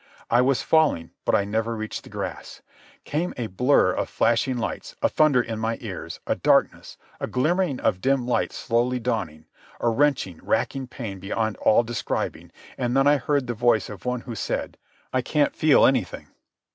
I was falling, but I never reached the grass. Came a blurr of flashing lights, a thunder in my ears, a darkness, a glimmering of dim light slowly dawning, a wrenching, racking pain beyond all describing, and then I heard the voice of one who said: "I can't feel anything."